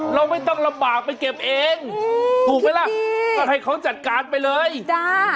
เราไม่ต้องลำบากไปเก็บเองถูกไหมล่ะก็ให้เขาจัดการไปเลยจ้า